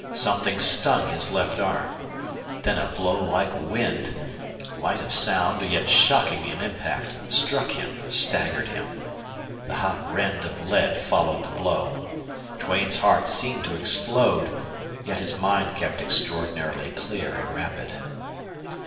Something stung his left arm. Then a blow like wind, light of sound yet shocking in impact, struck him, staggered him. The hot rend of lead followed the blow. Duane's heart seemed to explode, yet his mind kept extraordinarily clear and rapid.